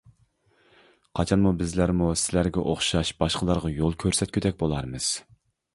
قاچانمۇ بىزلەرمۇ سىلەرگە ئوخشاش باشقىلارغا يول كۆرسەتكۈدەك بولارمىز.